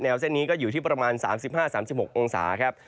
เส้นนี้ก็อยู่ที่ประมาณ๓๕๓๖องศาครับ